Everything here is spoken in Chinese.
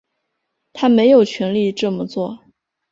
他没有权力这么做